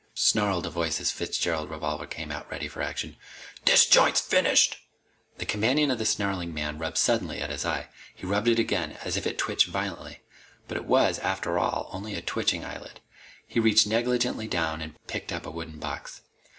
snarled a voice as Fitzgerald's revolver came out ready for action. "This joint is finished!" The companion of the snarling man rubbed suddenly at his eye. He rubbed again, as if it twitched violently. But it was, after all, only a twitching eyelid. He reached negligently down and picked up a wooden box.